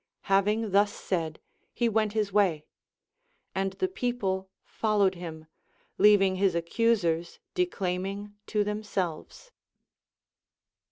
Having thus said, he went his way ; and the people followed him, leav ing his accusers declaiming to themselves.